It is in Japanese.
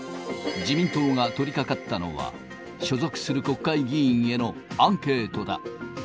自民党が取りかかったのは、所属する国会議員へのアンケートだ。